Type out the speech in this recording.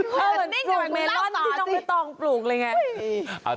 แบบสั่งฝ่าสัสดิเออเหมือนปลูกเมลอลนที่น้องดีตองปลูกอะไรไง